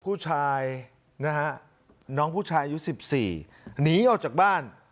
ผู้ชายนะฮะน้องผู้ชายอายุ๑๔หนีออกจากบ้าน